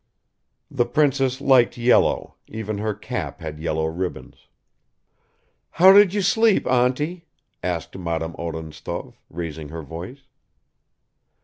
The princess liked yellow, even her cap had yellow ribbons. "How did you sleep, auntie?" asked Madame Odintsov, raising her voice.